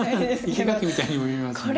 生け垣みたいにも見えますね。